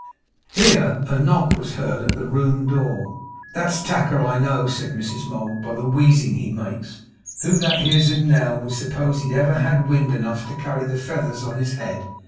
Here a knock was heard at the room door. 'That's Tacker, I know,' said Mrs Mould, 'by the wheezing he makes. Who that hears him now, would suppose he'd ever had wind enough to carry the feathers on his head!